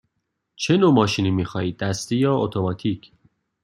چه نوع ماشینی می خواهید – دستی یا اتوماتیک؟